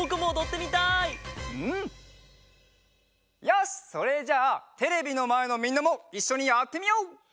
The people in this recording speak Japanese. よしそれじゃあテレビのまえのみんなもいっしょにやってみよう！